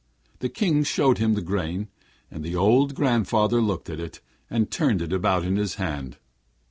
The King showed him the grain, and the old grandfather looked at it, and turned it about in his hand.